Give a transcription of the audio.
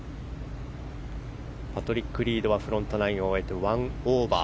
パトリック・リードはフロントナインを終えて１オーバー。